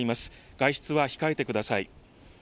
外出は控えてください。